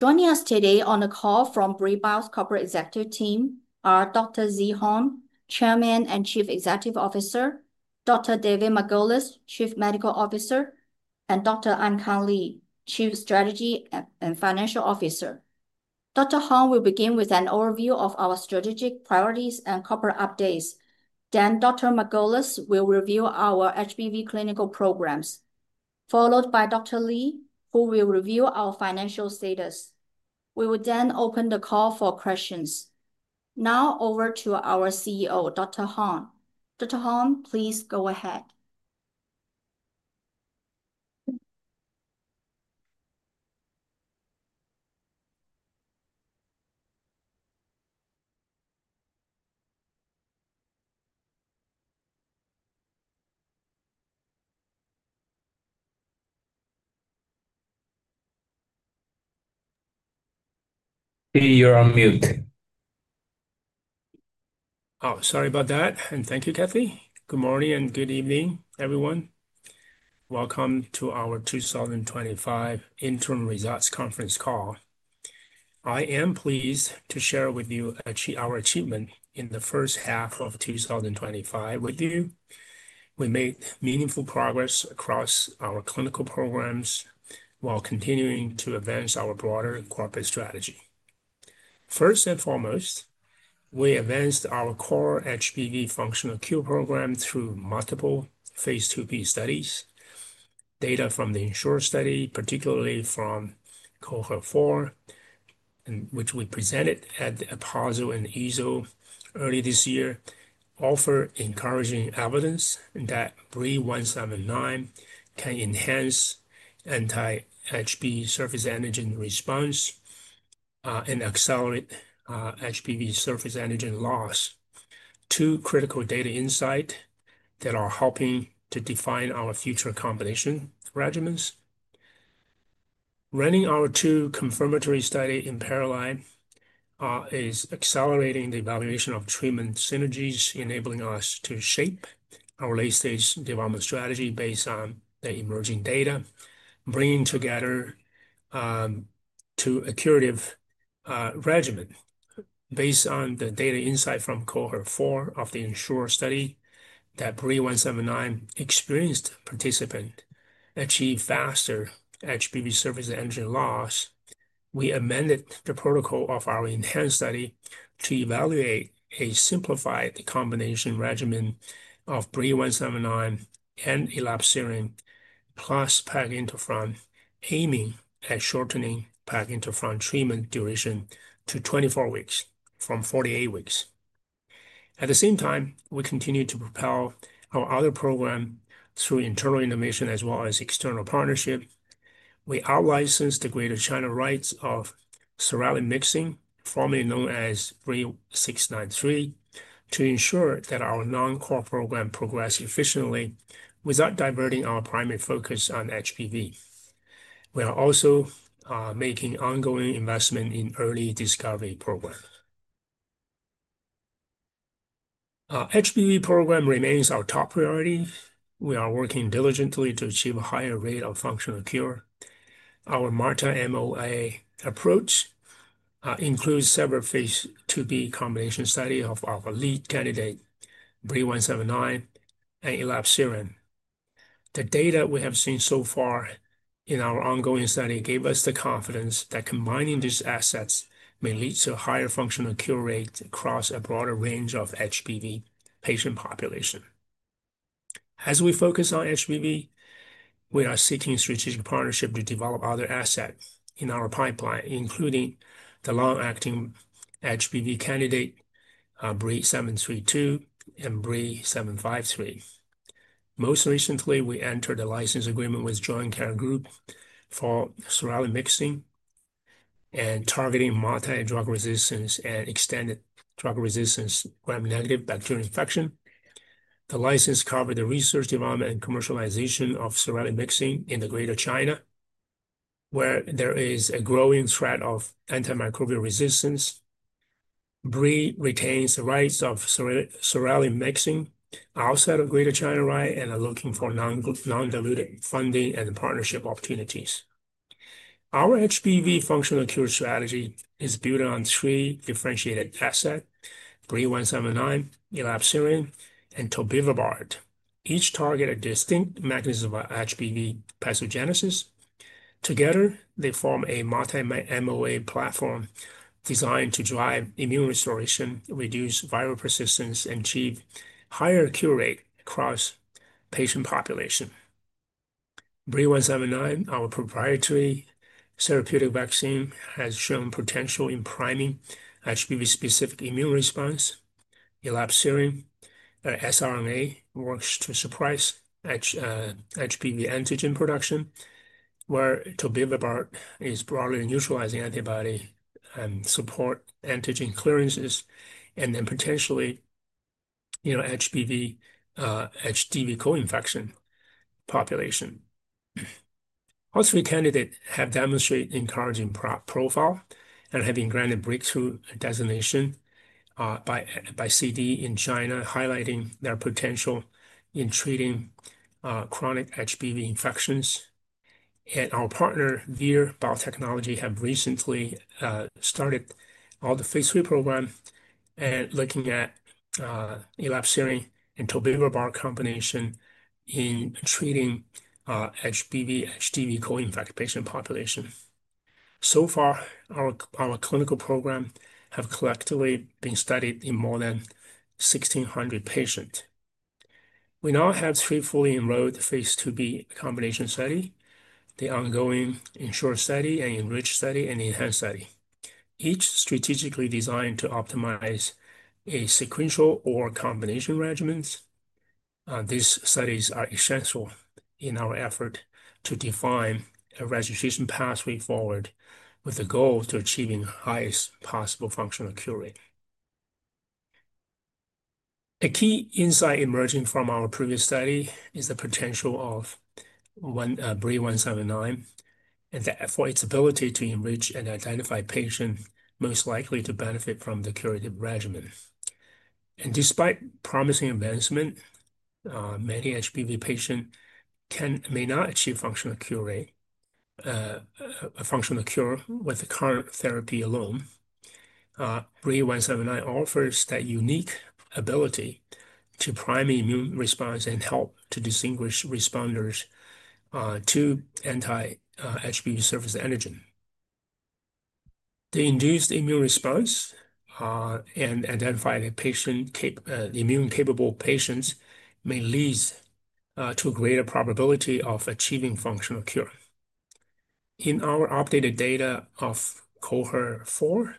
Joining us today on a call from Brii Bio Corporate Executive Team, are Dr. Zhi Hong, Chairman and Chief Executive Officer, Dr. David Margolis, Chief Medical Officer, and Dr. Ankang Li, Chief Strategy and Financial Officer. Dr. Hong will begin with an overview of our strategic priorities and corporate updates. Dr. Margolis will review our HBV clinical programs, followed by Dr. Li, who will review our financial status. We will then open the call for questions. Now, over to our CEO, Dr. Hong. Dr. Hong, please go ahead. Oh, sorry about that. Thank you, Kathy. Good morning and good evening, everyone. Welcome to our 2025 Interim Results Conference call. I am pleased to share with you our achievements in the first half of 2025. We made meaningful progress across our clinical programs while continuing to advance our broader corporate strategy. First and foremost, we advanced our core HBV functional cure program through multiple phase II-B studies. Data from the ENSURE study, particularly from Cohort 4, which we presented at AASLD and EASL early this year, offered encouraging evidence that BRII-179 can enhance anti-HBV surface antigen response and accelerate HBV surface antigen loss, two critical data insights that are helping to define our future combination regimens. Running our two confirmatory studies in parallel is accelerating the evaluation of treatment synergies, enabling us to shape our late-stage development strategy based on the emerging data, bringing together a curative regimen. Based on the data insight from Cohort 4 of the ENSURE study that BRII-179 experienced participants achieved faster HBV surface antigen loss, we amended the protocol of our Enhanced study to evaluate a simplified combination regimen of BRII-179 and elebsiran plus PEG interferon, aiming at shortening PEG interferon treatment duration to 24 weeks from 48 weeks. At the same time, we continue to propel our other programs through internal innovation as well as external partnership. We outlicensed the Greater China rights of soralimixin mixing, formerly known as BRII-693, to ensure that our non-core program progresses efficiently without diverting our primary focus on HBV. We are also making ongoing investments in early discovery programs. Our HBV program remains our top priority. We are working diligently to achieve a higher rate of functional cure. Our multi-MOA approach includes several phase II-B combination studies of our lead candidate, BRII-179, and elebsiran. The data we have seen so far in our ongoing study gave us the confidence that combining these assets may lead to a higher functional cure rate across a broader range of HBV patient populations. As we focus on HBV, we are seeking strategic partnerships to develop other assets in our pipeline, including the long-acting HBV candidates, BRII-732 and BRII-753. Most recently, we entered a license agreement with the Joincare Group for soralimixin and targeting multi-drug resistance and extended drug resistance gram-negative bacterial infections. The license covers the research, development, and commercialization of soralimixin in Greater China, where there is a growing threat of antimicrobial resistance. Brii retains the rights of soralimixin outside of the Greater China rights and is looking for non-diluted funding and partnership opportunities. Our HBV functional cure strategy is built on three differentiated assets: BRII-179, elebsiran, and tobevibart, each targeting a distinct mechanism of HBV pathogenesis. Together, they form a multi-MOA platform designed to drive immune restoration, reduce viral persistence, and achieve a higher cure rate across the patient population. BRII-179, our proprietary therapeutic vaccine, has shown potential in priming HBV-specific immune response. Elebsiran siRNA works to suppress HBV antigen production, where tobevibart is a broadly neutralizing antibody and supports antigen clearance and then potentially HBV co-infection population. All three candidates have demonstrated an encouraging profile and have been granted breakthrough designation by CDE in China, highlighting their potential in treating chronic HBV infections. Our partner, Vir Biotechnology has recently started the phase III program and is looking at elebsiran and tobevibart combination in treating HBV/HDV co-infection patient populations. Our clinical programs have collectively been studied in more than 1,600 patients. We now have three fully enrolled phase II-B combination studies: the ongoing ENSURE study, the ENRICH study, and the ENHANCE study, each strategically designed to optimize a sequential or combination regimen. These studies are essential in our effort to define a registration pathway forward with the goal of achieving the highest possible functional cure rate. A key insight emerging from our previous study is the potential of BRII-179 and for its ability to enrich and identify patients most likely to benefit from the curative regimen. Despite promising advancements, many HBV patients may not achieve a functional cure with the current therapy alone. BRII-179 offers that unique ability to prime the immune response and help to distinguish responders to anti-HBV surface antigens. The induced immune response and identifying immune-capable patients may lead to a greater probability of achieving functional cure. In our updated data of Cohort 4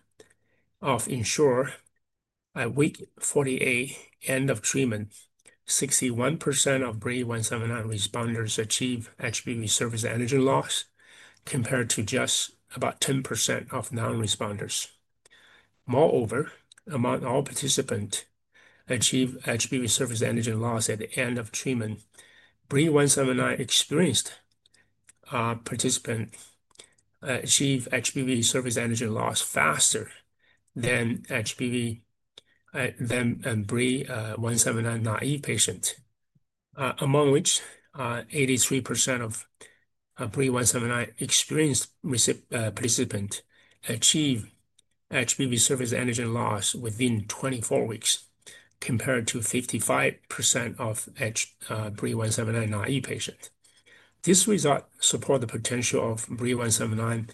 of ENSURE, at week 48, end of treatment, 61% of BRII-179 responders achieved HBV surface antigen loss compared to just about 10% of non-responders. Moreover, among all participants who achieved HBV surface antigen loss at the end of treatment, BRII-179-experienced participants achieved HBV surface antigen loss faster than BRII-179 naïve patients, among which 83% of BRII-179-experienced participants achieved HBV surface antigen loss within 24 weeks, compared to 55% of BRII-179 naïve patients. This result supports the potential of BRII-179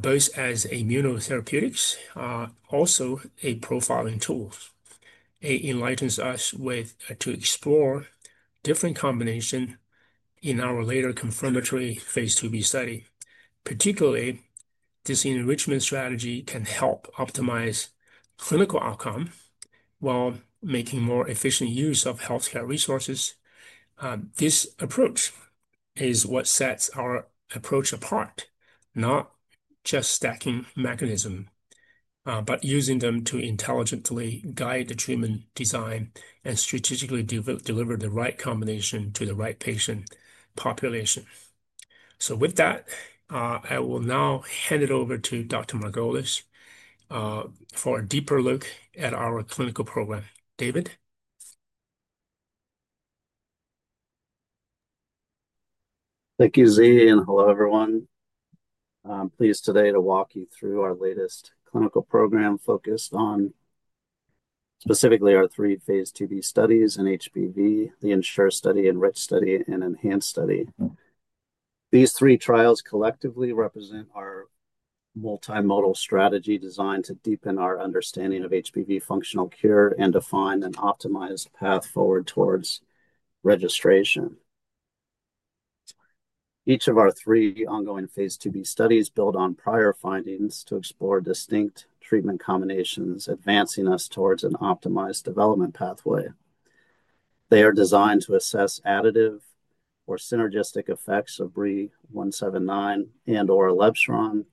both as immunotherapeutics and also as profiling tools. It enlightens us to explore different combinations in our later confirmatory phase II-B study. Particularly, the enrichment strategy can help optimize clinical outcomes while making more efficient use of healthcare resources. This approach is what sets our approach apart, not just stacking mechanisms, but using them to intelligently guide the treatment design and strategically deliver the right combination to the right patient population. With that, I will now hand it over to Dr. Margolis for a deeper look at our clinical program. David? Thank you, Zhi, and hello, everyone. I'm pleased today to walk you through our latest clinical program focused on specifically our three phase II-B studies in HBV: the ENSURE study, the ENRICH study, and the ENHANCE study. These three trials collectively represent our multimodal strategy designed to deepen our understanding of HBV functional cure and define an optimized path forward towards registration. Each of our three ongoing phase II-B studies builds on prior findings to explore distinct treatment combinations, advancing us towards an optimized development pathway. They are designed to assess additive or synergistic effects of BRII-179 and/or elebsiran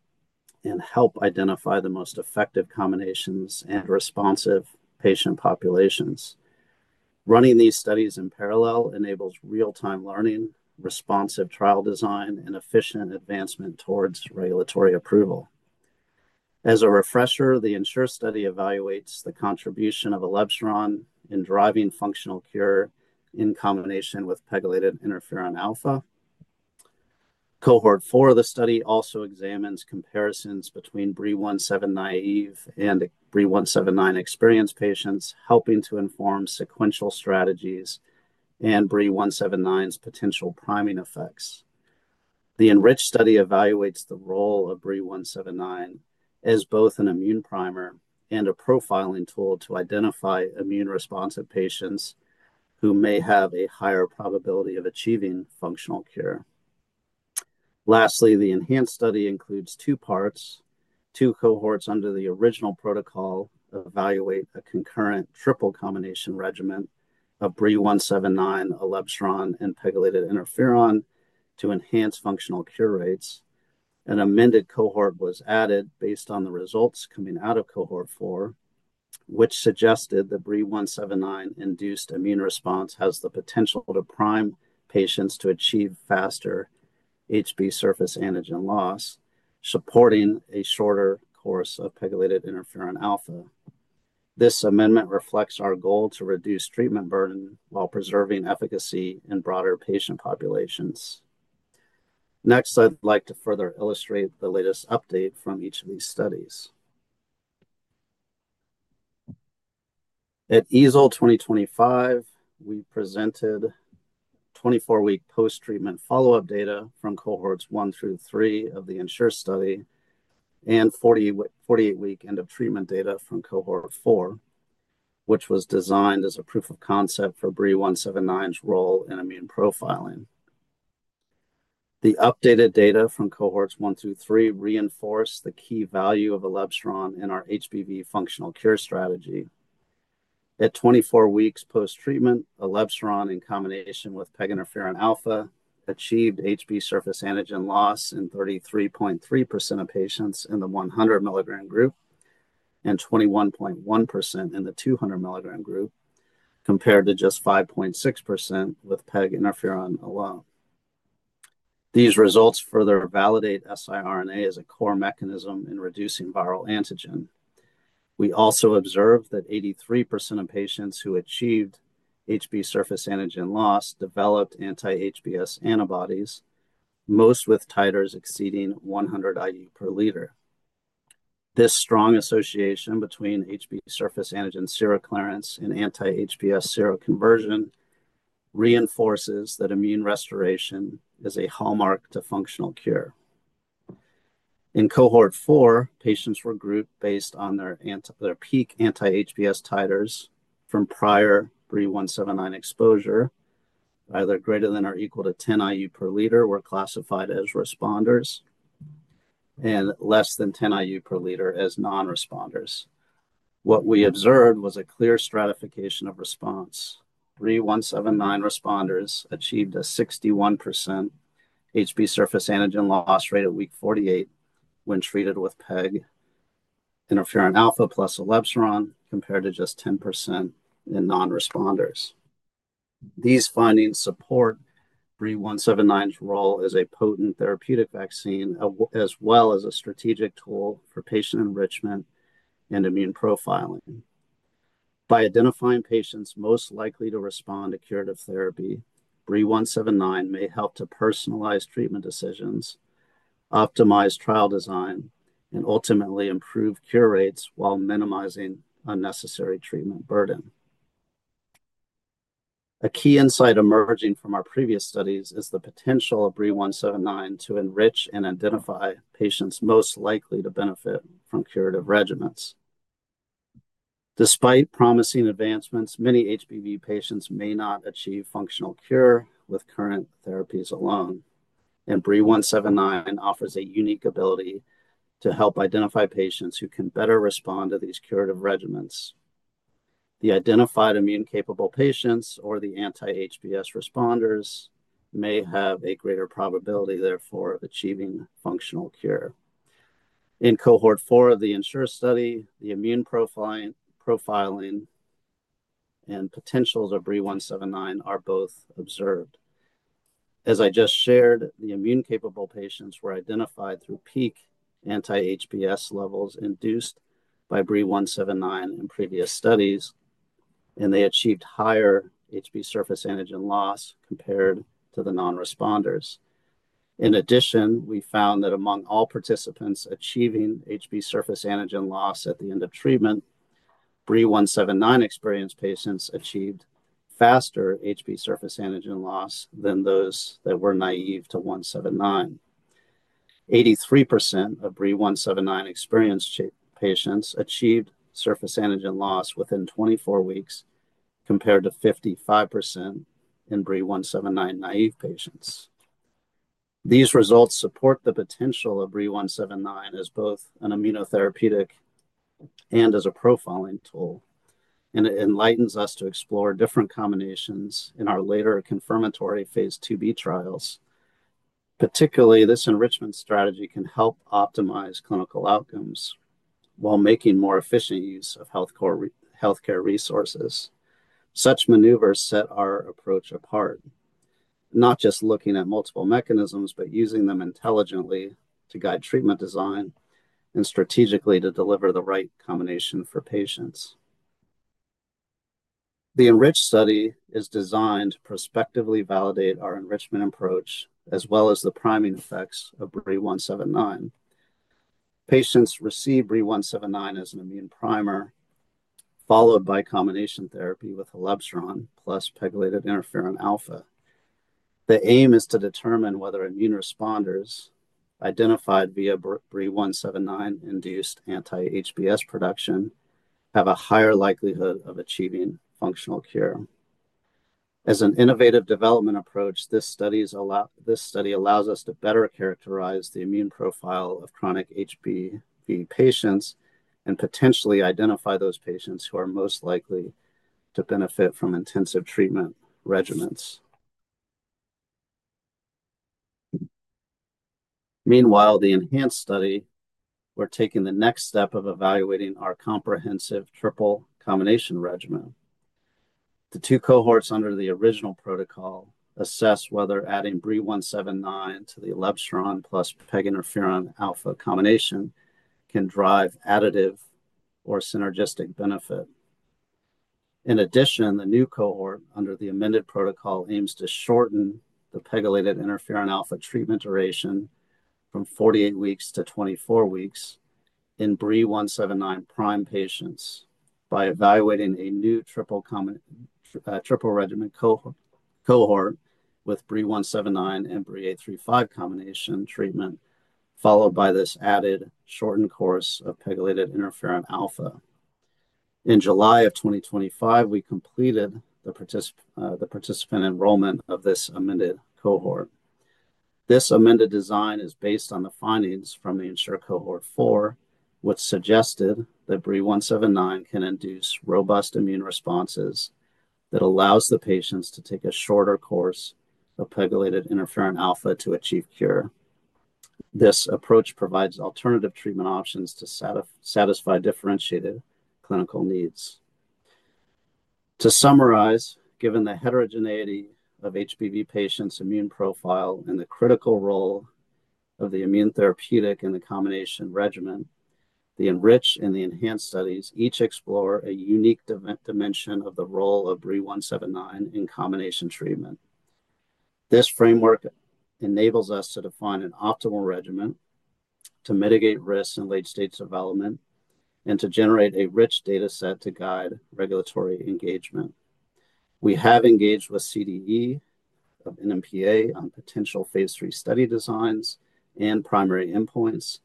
and help identify the most effective combinations and responsive patient populations. Running these studies in parallel enables real-time learning, responsive trial design, and efficient advancement towards regulatory approval. As a refresher, the ENSURE study evaluates the contribution of elebsiran in driving functional cure in combination with pegylated interferon alpha. Cohort 4 of the study also examines comparisons between BRII-179 naïve and BRII-179 experienced patients, helping to inform sequential strategies and BRII-179's potential priming effects. The ENRICH study evaluates the role of BRII-179 as both an immune primer and a profiling tool to identify immune-responsive patients who may have a higher probability of achieving functional cure. Lastly, the ENHANCE study includes two parts, two cohorts under the original protocol to evaluate a concurrent triple combination regimen of BRII-179, elebsiran, and pegylated interferon to enhance functional cure rates. An amended cohort was added based on the results coming out of Cohort 4, which suggested the BRII-179-induced immune response has the potential to prime patients to achieve faster HBV surface antigen loss, supporting a shorter course of pegylated interferon alpha. This amendment reflects our goal to reduce treatment burden while preserving efficacy in broader patient populations. Next, I'd like to further illustrate the latest update from each of these studies. At EASL 2025, we presented 24-week post-treatment follow-up data from Cohorts 1 through 3 of the ENSURE study and 48-week end-of-treatment data from Cohort 4, which was designed as a proof of concept for BRII-179's role in immune profiling. The updated data from Cohorts 1 through 3 reinforced the key value of elebsiran in our HBV functional cure strategy. At 24 weeks post-treatment, elebsiran in combination with PEG interferon alpha achieved HBV surface antigen loss in 33.3% of patients in the 100 mg group and 21.1% in the 200 mg group, compared to just 5.6% with PEG interferon alone. These results further validate siRNA as a core mechanism in reducing viral antigen. We also observed that 83% of patients who achieved HBV surface antigen loss developed anti-HBs antibodies, most with titers exceeding 100 IU/L. This strong association between HBV surface antigen seroclearance and anti-HBs seroconversion reinforces that immune restoration is a hallmark to functional cure. In Cohort 4, patients were grouped based on their peak anti-HBs titers from prior BRII-179 exposure. Either greater than or equal to 10 IU/L were classified as responders and less than 10 IU/L as non-responders. What we observed was a clear stratification of response. BRII-179 responders achieved a 61% HBV surface antigen loss rate at week 48 when treated with PEG interferon alpha plus elebsiran, compared to just 10% in non-responders. These findings support BRII-179's role as a potent therapeutic vaccine as well as a strategic tool for patient enrichment and immune profiling. By identifying patients most likely to respond to curative therapy, BRII-179 may help to personalize treatment decisions, optimize trial design, and ultimately improve cure rates while minimizing unnecessary treatment burden. A key insight emerging from our previous studies is the potential of BRII-179 to enrich and identify patients most likely to benefit from curative regimens. Despite promising advancements, many HBV patients may not achieve functional cure with current therapies alone, and BRII-179 offers a unique ability to help identify patients who can better respond to these curative regimens. The identified immune-capable patients or the anti-HBs responders may have a greater probability, therefore, of achieving functional cure. In Cohort 4 of the ENSURE study, the immune profiling and potentials of BRII-179 are both observed. As I just shared, the immune-capable patients were identified through peak anti-HBs levels induced by BRII-179 in previous studies, and they achieved higher HBV surface antigen loss compared to the non-responders. In addition, we found that among all participants achieving HBV surface antigen loss at the end of treatment, BRII-179 experienced patients achieved faster HBV surface antigen loss than those that were naïve to 179. 83% of BRII-179 experienced patients achieved surface antigen loss within 24 weeks, compared to 55% in BRII-179 naïve patients. These results support the potential of BRII-179 as both an immunotherapeutic and as a profiling tool, and it enlightens us to explore different combinations in our later confirmatory phase II-B trials. Particularly, this enrichment strategy can help optimize clinical outcomes while making more efficient use of healthcare resources. Such maneuvers set our approach apart, not just looking at multiple mechanisms, but using them intelligently to guide treatment design and strategically to deliver the right combination for patients. The ENRICH study is designed to prospectively validate our enrichment approach as well as the priming effects of BRII-179. Patients receive BRII-179 as an immune primer, followed by combination therapy with elebsiran plus pegylated interferon alpha. The aim is to determine whether immune responders identified via BRII-179-induced anti-HBs production have a higher likelihood of achieving functional cure. As an innovative development approach, this study allows us to better characterize the immune profile of chronic HBV patients and potentially identify those patients who are most likely to benefit from intensive treatment regimens. Meanwhile, in the ENHANCE study, we're taking the next step of evaluating our comprehensive triple combination regimen. The two cohorts under the original protocol assess whether adding BRII-179 to the elebsiran plus PEG interferon alpha combination can drive additive or synergistic benefit. In addition, the new cohort under the amended protocol aims to shorten the pegylated interferon alpha treatment duration from 48 weeks to 24 weeks in BRII-179 prime patients by evaluating a new triple regimen cohort with BRII-179 and BRII-835 combination treatment, followed by this added shortened course of pegylated interferon alpha. In July 2025, we completed the participant enrollment of this amended cohort. This amended design is based on the findings from the ENSURE Cohort 4, which suggested that BRII-179 can induce robust immune responses that allow the patients to take a shorter course of pegylated interferon alpha to achieve cure. This approach provides alternative treatment options to satisfy differentiated clinical needs. To summarize, given the heterogeneity of HBV patients' immune profile and the critical role of the immunotherapeutic in the combination regimen, the ENRICH and the ENHANCE studies each explore a unique dimension of the role of BRII-179 in combination treatment. This framework enables us to define an optimal regimen to mitigate risks in late-stage development and to generate a rich dataset to guide regulatory engagement. We have engaged with CDE and NMPA on potential phase III study designs and primary endpoints,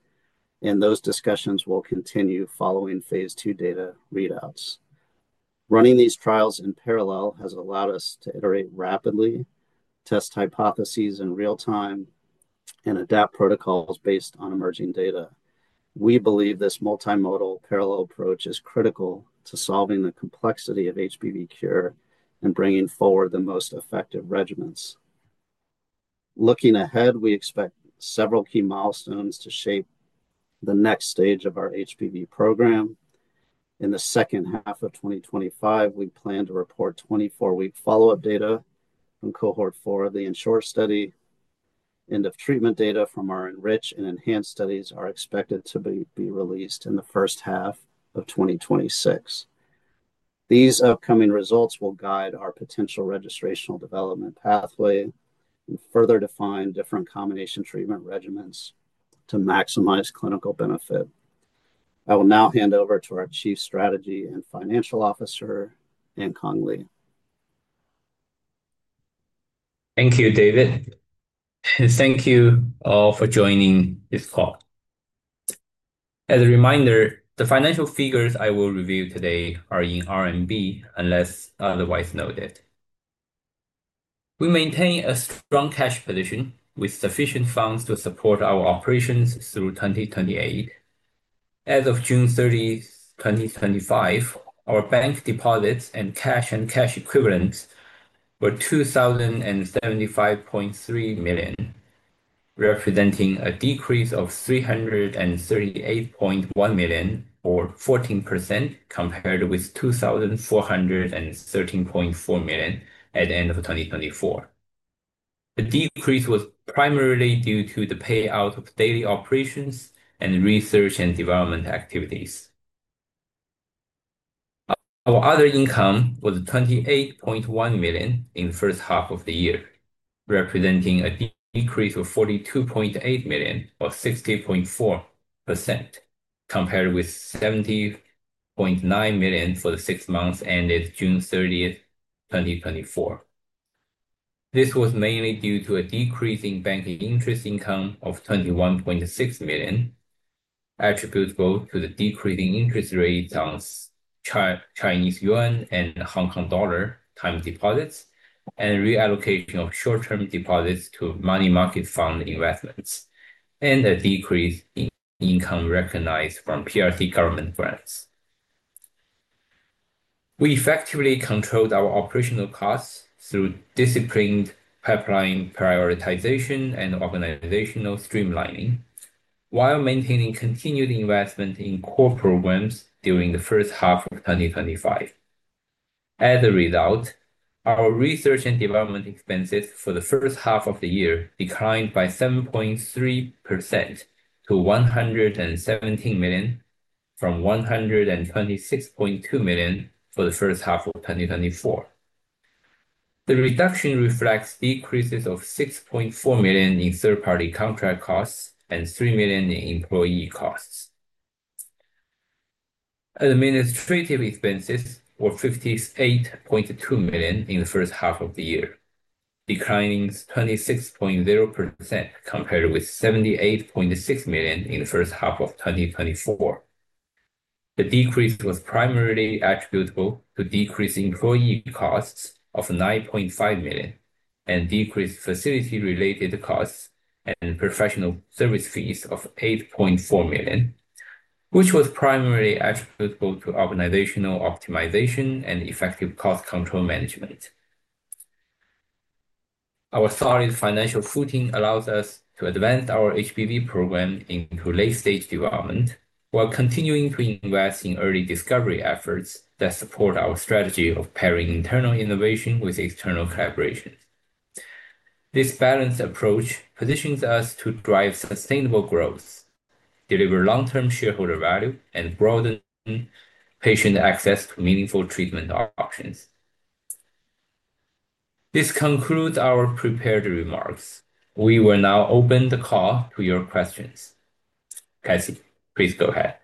and those discussions will continue following phase II data readouts. Running these trials in parallel has allowed us to iterate rapidly, test hypotheses in real-time, and adapt protocols based on emerging data. We believe this multimodal parallel approach is critical to solving the complexity of HBV cure and bringing forward the most effective regimens. Looking ahead, we expect several key milestones to shape the next stage of our HBV program. In the second half of 2025, we plan to report 24-week follow-up data on Cohort 4 of the ENSURE study. End-of-treatment data from our ENRICH and ENHANCE studies are expected to be released in the first half of 2026. These upcoming results will guide our potential registration development pathway and further define different combination treatment regimens to maximize clinical benefit. I will now hand over to our Chief Strategy and Financial Officer, Ankang Li. Thank you, David. Thank you all for joining this call. As a reminder, the financial figures I will review today are in RMB unless otherwise noted. We maintain a strong cash position with sufficient funds to support our operations through 2028. As of June 30, 2025, our bank deposits and cash and cash equivalents were 2,075.3 million, representing a decrease of 338.1 million, or 14% compared with 2,413.4 million at the end of 2024. The decrease was primarily due to the payout of daily operations and research and development activities. Our other income was 28.1 million in the first half of the year, representing a decrease of 42.8 million, or 60.4% compared with 70.9 million for the six months ended June 30, 2024. This was mainly due to a decrease in banking interest income of 21.6 million, attributable to the decreasing interest rates on Chinese Yuan and Hong Kong Dollar time deposits, and reallocation of short-term deposits to money market fund investments, and a decrease in income recognized from PRC government grants. We effectively controlled our operational costs through disciplined pipeline prioritization and organizational streamlining, while maintaining continued investment in core programs during the first half of 2025. As a result, our research and development expenses for the first half of the year declined by 7.3% to 117 million, from 126.2 million for the first half of 2024. The reduction reflects decreases of 6.4 million in third-party contract costs and 3 million in employee costs. Administrative expenses were 58.2 million in the first half of the year, declining 26.0% compared with 78.6 million in the first half of 2024. The decrease was primarily attributable to decreased employee costs of 9.5 million and decreased facility-related costs and professional service fees of 8.4 million, which was primarily attributable to organizational optimization and effective cost control management. Our solid financial footing allows us to advance our HBV program into late-stage development while continuing to invest in early discovery efforts that support our strategy of pairing internal innovation with external collaborations. This balanced approach positions us to drive sustainable growth, deliver long-term shareholder value, and broaden patient access to meaningful treatment options. This concludes our prepared remarks. We will now open the call to your questions. Kathy, please go ahead.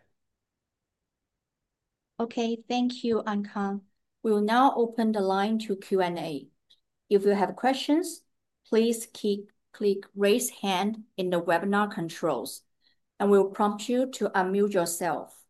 Okay. Thank you, Ankang. We will now open the line to Q&A. If you have questions, please click raise hand in the webinar controls, and we will prompt you to unmute yourself.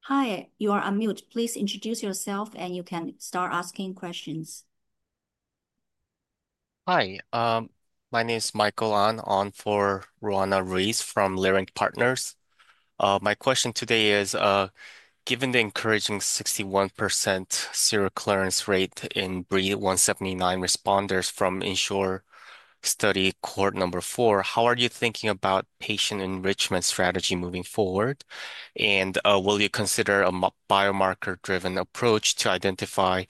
Hi, you are on mute. Please introduce yourself, and you can start asking questions. Hi. My name is Michael Ahn, for Roanna Ruiz from Leerink Partners. My question today is, given the encouraging 61% seroclearance rate in BRII-179 responders from ENSURE study Cohort 4, how are you thinking about patient enrichment strategy moving forward? Will you consider a biomarker-driven approach to identify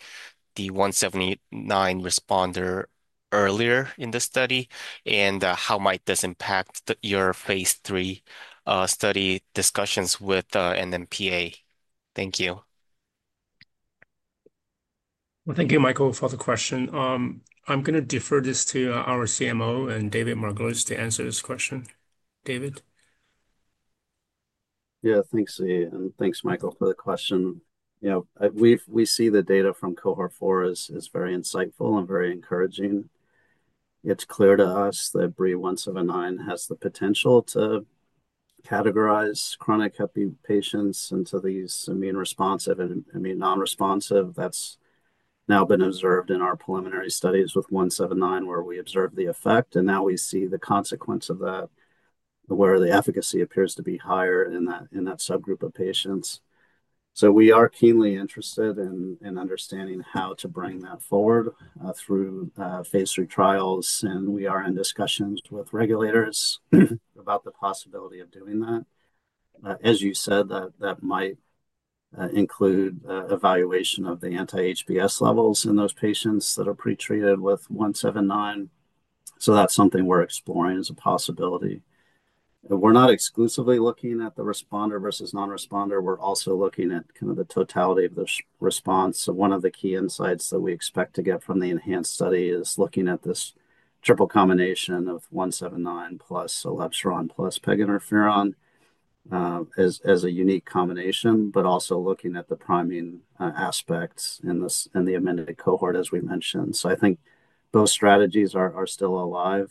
the 179 responder earlier in the study? How might this impact your phase III study discussions with NMPA? Thank you. Thank you, Michael, for the question. I'm going to defer this to our CMO and David Margolis to answer this question. David? Yeah, thanks, Zhi, and thanks, Michael, for the question. Yeah, we see the data from Cohort 4 as very insightful and very encouraging. It's clear to us that BRII-179 has the potential to categorize chronic HBV patients into these immune-responsive and immune-nonresponsive. That's now been observed in our preliminary studies with 179 where we observed the effect, and now we see the consequence of that, where the efficacy appears to be higher in that subgroup of patients. We are keenly interested in understanding how to bring that forward through phase III trials, and we are in discussions with regulators about the possibility of doing that. As you said, that might include evaluation of the anti-HBs levels in those patients that are pretreated with 179. That's something we're exploring as a possibility. We're not exclusively looking at the responder versus non-responder. We're also looking at the totality of the response. One of the key insights that we expect to get from the ENHANCE study is looking at this triple combination of 179 plus elebsiran plus PEG interferon as a unique combination, but also looking at the priming aspects in the amended cohort, as we mentioned. I think both strategies are still alive,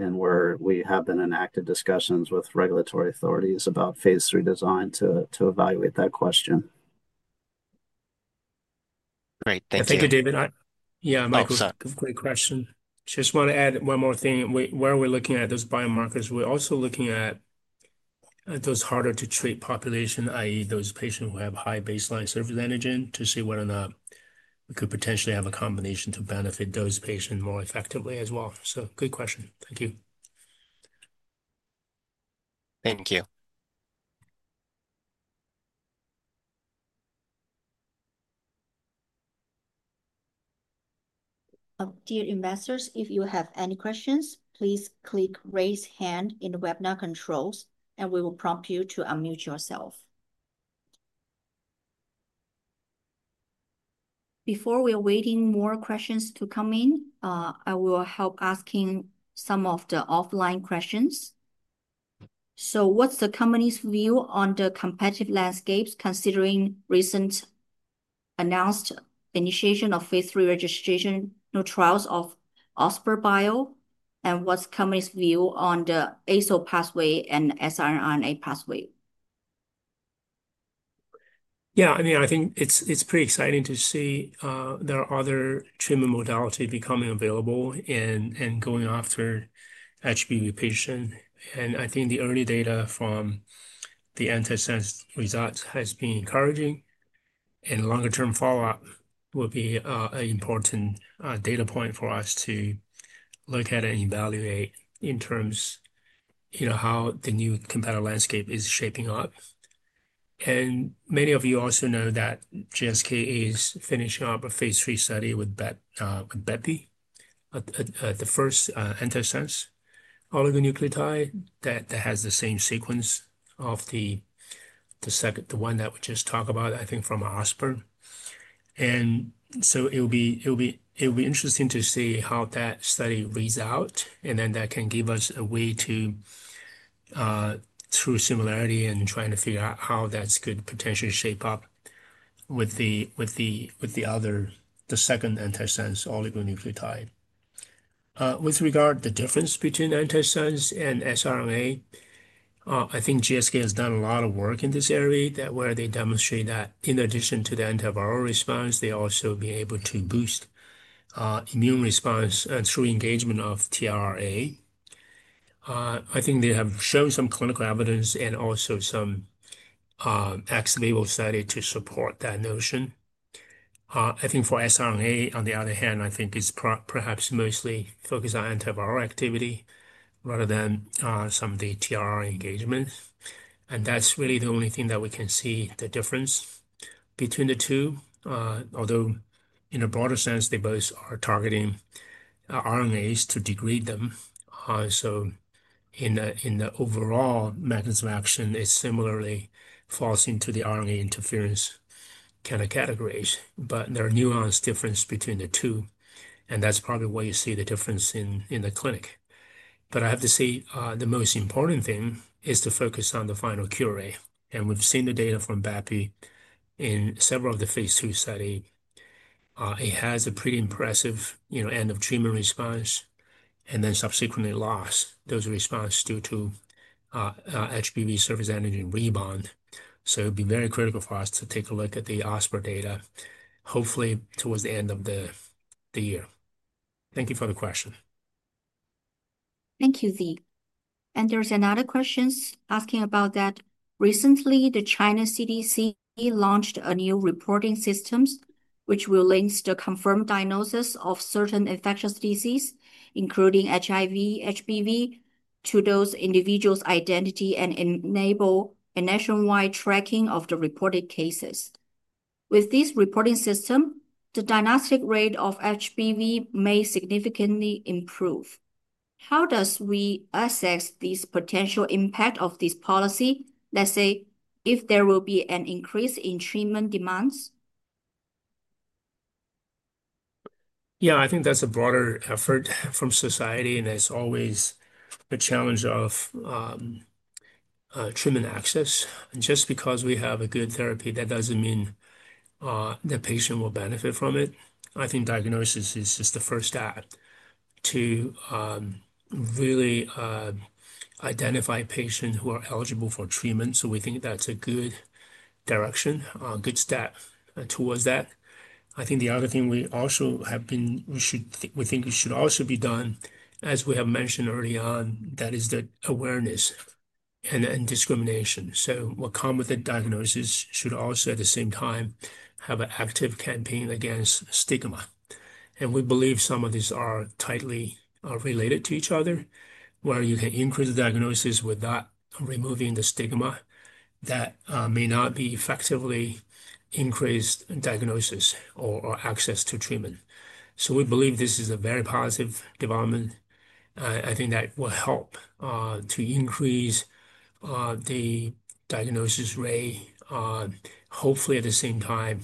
and we have been in active discussions with regulatory authorities about phase III design to evaluate that question. Great. Thank you. Thank you, David. Yeah, Michael, great question. Just want to add one more thing. Where we're looking at those biomarkers, we're also looking at those harder-to-treat populations, i.e., those patients who have high baseline surface antigen, to see whether or not we could potentially have a combination to benefit those patients more effectively as well. Good question. Thank you. Thank you. Dear investors, if you have any questions, please click raise hand in the webinar controls, and we will prompt you to unmute yourself. While we are waiting for more questions to come in, I will help ask some of the offline questions. What's the company's view on the competitive landscapes considering recent announced initiation of phase III registration trials of? [inaudible] What's the company's view on the AZO pathway and siRNA pathway? Yeah, I mean, I think it's pretty exciting to see there are other treatment modalities becoming available and going after HBV patients. I think the early data from the antisense results have been encouraging, and longer-term follow-up will be an important data point for us to look at and evaluate in terms of how the new competitive landscape is shaping up. Many of you also know that GSK is finishing up a phase III study with bepi, the first antisense oligonucleotide that has the same sequence as the one that we just talked about, I think, from. [inaudible] It will be interesting to see how that study reads out, and that can give us a way to, through similarity, try to figure out how that could potentially shape up with the other, the second antisense oligonucleotide. With regard to the difference between antisense and siRNA, I think GSK has done a lot of work in this area where they demonstrate that in addition to the antiviral response, they also have been able to boost immune response through engagement of tRNA. I think they have shown some clinical evidence and also some ex-label studies to support that notion. For siRNA, on the other hand, I think it's perhaps mostly focused on antiviral activity rather than some of the tRNA engagement. That's really the only thing that we can see as the difference between the two, although in a broader sense, they both are targeting RNAs to degrade them. In the overall methods of action, it similarly falls into the RNA interference kind of categories, but there are nuanced differences between the two. That's probably why you see the difference in the clinic. I have to say the most important thing is to focus on the final cure rate. We've seen the data from bepi in several of the phase III studies. It has a pretty impressive end-of-treatment response and then subsequently lost those responses due to HBV surface antigen rebound. It would be very critical for us to take a look at the [inaudible] data, hopefully towards the end of the year. Thank you for the question. Thank you, Zhi. There's another question asking about that. Recently, the China CDC launched a new reporting system, which will link the confirmed diagnosis of certain infectious diseases, including HIV and HBV, to those individuals' identities and enable a nationwide tracking of the reported cases. With this reporting system, the diagnostic rate of HBV may significantly improve. How do we assess the potential impact of this policy? Let's say if there will be an increase in treatment demands? I think that's a broader effort from society, and it's always a challenge of treatment access. Just because we have a good therapy, that doesn't mean the patient will benefit from it. I think diagnosis is just the first step to really identify patients who are eligible for treatment. We think that's a good direction, a good step towards that. The other thing we also have been, we think it should also be done, as we have mentioned early on, is the awareness and discrimination. What comes with the diagnosis should also, at the same time, have an active campaign against stigma. We believe some of these are tightly related to each other, where you can increase the diagnosis without removing the stigma that may not be effectively increased diagnosis or access to treatment. We believe this is a very positive development. I think that will help to increase the diagnosis rate, hopefully at the same time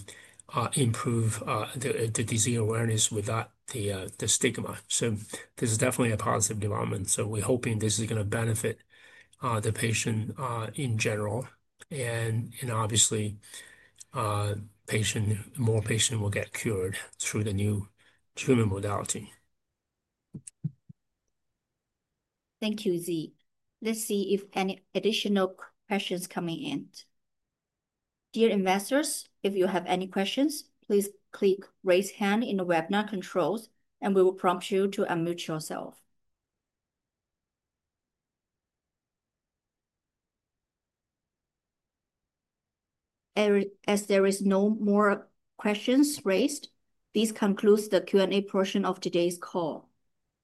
improve the disease awareness without the stigma. This is definitely a positive development. We're hoping this is going to benefit the patient in general. Obviously, more patients will get cured through the new treatment modality. Thank you, Zhi. Let's see if any additional questions are coming in. Dear investors, if you have any questions, please click raise hand in the webinar controls, and we will prompt you to unmute yourself. As there are no more questions raised, this concludes the Q&A portion of today's call.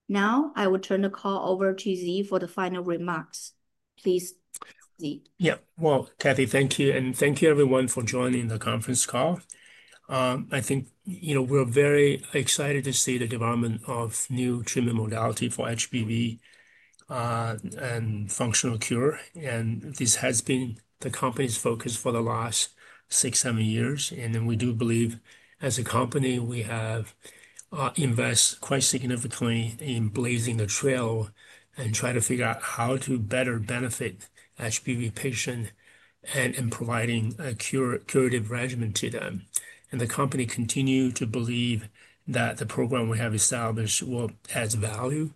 Now, I will turn the call over to Zhi for the final remarks. Please, Zhi. Thank you, Kathy, and thank you, everyone, for joining the conference call. I think we're very excited to see the development of new treatment modalities for HBV and functional cure. This has been the company's focus for the last six or seven years. We do believe, as a company, we have invested quite significantly in blazing the trail and trying to figure out how to better benefit HBV patients and provide a curative regimen to them. The company continues to believe that the program we have established has value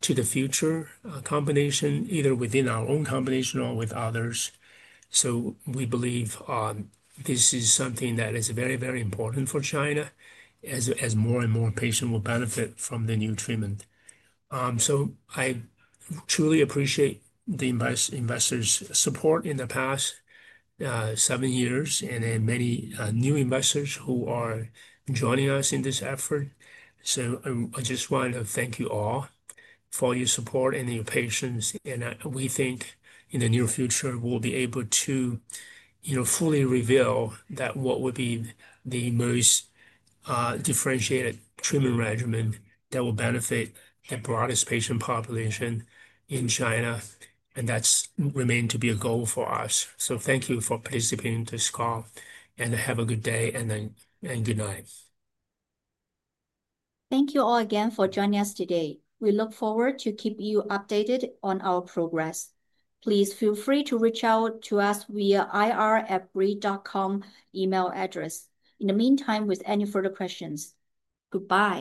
to the future combination, either within our own combination or with others. We believe this is something that is very, very important for China, as more and more patients will benefit from the new treatment. I truly appreciate the investors' support in the past seven years and many new investors who are joining us in this effort. I just want to thank you all for your support and your patience. We think in the near future, we'll be able to fully reveal what would be the most differentiated treatment regimen that will benefit the broadest patient population in China. That remains to be a goal for us. Thank you for participating in this call. Have a good day and good night. Thank you all again for joining us today. We look forward to keeping you updated on our progress. Please feel free to reach out to us via ir@brii.com email address. In the meantime, with any further questions, goodbye.